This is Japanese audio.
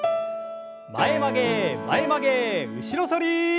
前曲げ前曲げ後ろ反り。